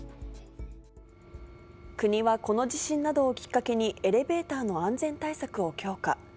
国はこの地震などをきっかけに、エレベーターの安全対策を強化。